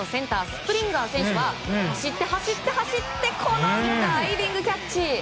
スプリンガー選手は走って、走ってこのダイビングキャッチ！